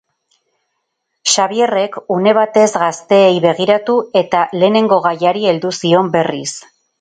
Xabierrek une batez gazteei begiratu eta lehengo gaiari heldu zion berriz.